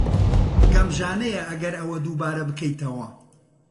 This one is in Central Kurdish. گەمژانەیە ئەگەر ئەوە دووبارە بکەیتەوە.